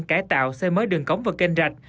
cải tạo xe mới đường cống và kênh rạch